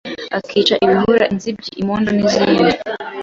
akica ibihura, inzibyi, imondo n’izindi,